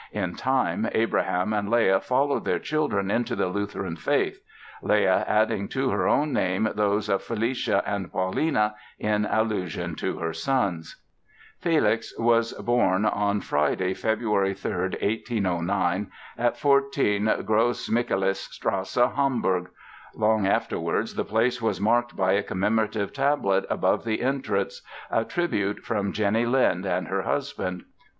In time, Abraham and Leah followed their children into the Lutheran faith, Leah adding to her own name those of Felicia and Paulina, in allusion to her sons. Felix was born on Friday, Feb. 3, 1809, at 14 Grosse Michaelisstrasse, Hamburg. Long afterwards the place was marked by a commemorative tablet above the entrance, a tribute from Jenny Lind and her husband.